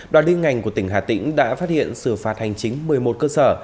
đoàn liên ngành của tỉnh hà tĩnh đã phát hiện xử phạt hành chính một mươi một cơ sở